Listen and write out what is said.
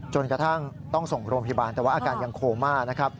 จนกระทั่งต้องส่งโรงพยาบาลแต่ว่าอาการยังโคม่านะครับ